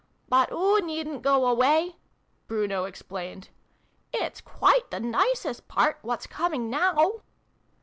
(" But oo needn't go away!" Bruno explained. " It's quite the nicest part what's coming now